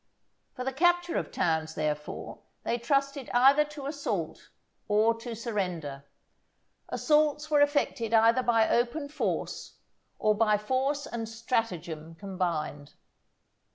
For the capture of towns, therefore, they trusted either to assault or to surrender. Assaults were effected either by open force, or by force and stratagem combined.